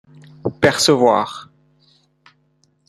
Percevoir ?